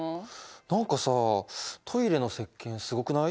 何かさトイレのせっけんすごくない？